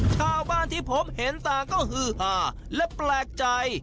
ชาวบ้านที่ผมเห็นต่างก็ฮือหาและแปลกใจ